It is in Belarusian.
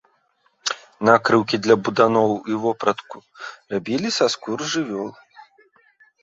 Накрыўкі для буданоў і вопратку рабілі са скур жывёл.